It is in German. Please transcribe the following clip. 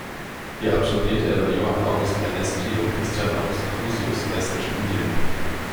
Hier absolvierte er bei Johann August Ernesti und Christian August Crusius erste Studien.